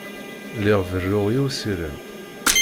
Lliɣ berruɣ i usirem.